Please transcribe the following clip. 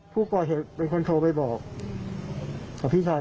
ผู้ก่อเหตุเป็นคนโทรไปบอกกับพี่ชาย